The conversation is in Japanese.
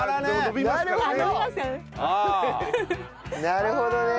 なるほどね。